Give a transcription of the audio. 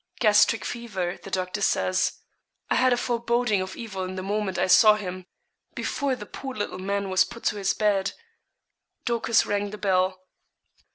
'Gastric fever, the doctor says. I had a foreboding of evil the moment I saw him before the poor little man was put to his bed.' Dorcas rang the bell.